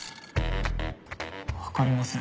わかりません。